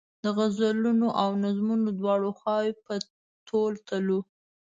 د غزلونو او نظمونو دواړه خواوې په تول تلو.